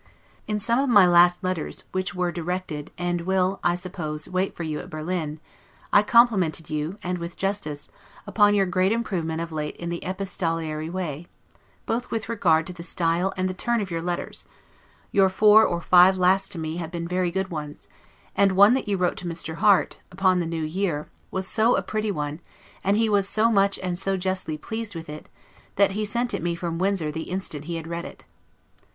In some of my last letters, which were directed to, and will, I suppose, wait for you at Berlin, I complimented you, and with justice, upon your great improvement of late in the epistolary way, both with regard to the style and the turn of your letters; your four or five last to me have been very good ones, and one that you wrote to Mr. Harte, upon the new year, was so pretty a one, and he was so much and so justly pleased with it, that he sent it me from Windsor the instant he had read it.